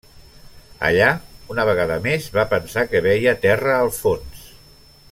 Allà, una vegada més, va pensar que veia terra al fons.